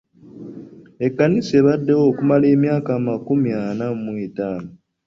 Ekkanisa ebaddewo okumala emyaka amakumi ana mu etaano.